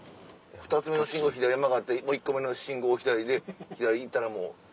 ２つ目の信号左曲がってもう１個目の信号を左で左行ったらもう。